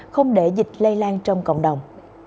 không để dịch lây lan trong cộng đồng